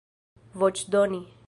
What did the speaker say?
voĉdoni